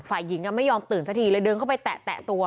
ฝ่ายหญิงไม่ยอมตื่นสักทีเลยเดินเข้าไปแตะตัว